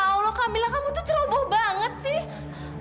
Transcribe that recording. ya allah kamilah kamu tuh ceroboh banget sih